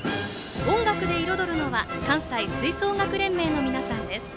音楽で彩るのは関西吹奏楽連盟の皆さんです。